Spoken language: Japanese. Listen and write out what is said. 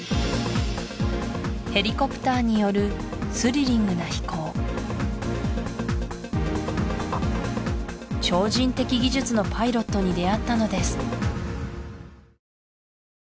ヘリコプターによるスリリングな飛行超人的技術のパイロットに出会ったのです